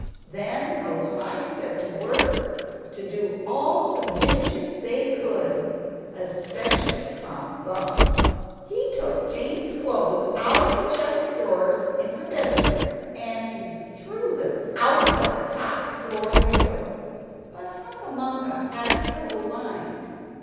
Then those mice set to work to do all the mischief they could especially Tom Thumb! He took Jane's clothes out of the chest of drawers in her bedroom, and he threw them out of the top floor window. But Hunca Munca had a frugal mind.